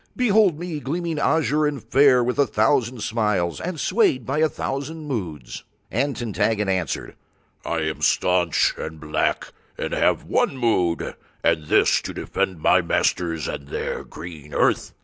Behold me gleaming azure and fair with a thousand smiles, and swayed by a thousand moods." And Tintaggon answered: "I am staunch and black and have one mood, and this—to defend my masters and their green earth."